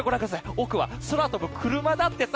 奥は空飛ぶクルマだってさ。